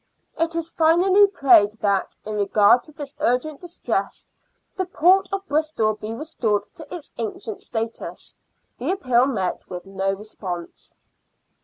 It is finally prayed that, in regard to this urgent distress, the port of Bristol be restored to its ancient status. The appeal met with no response.